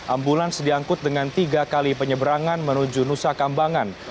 ambulans diangkut dengan tiga kali penyeberangan menuju nusa kambangan